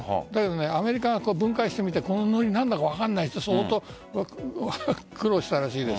アメリカが分解してみたらこののりが何だか分からないといって相当苦労したらしいです。